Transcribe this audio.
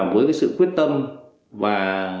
với cái sự quyết tâm và